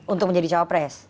untuk menjadi cowok pres